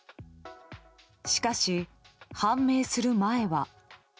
しかし、判明する前は。